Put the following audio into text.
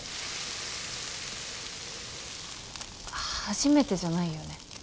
初めてじゃないよね？